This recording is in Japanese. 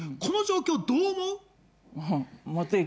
この状況どう思う？